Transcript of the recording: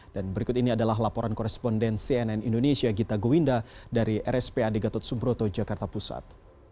dan berikut ini adalah laporan koresponden cnn indonesia gita gowinda dari rspad gatot subroto jakarta pusat